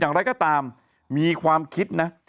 อย่างไรก็ตามมีความคิดนะ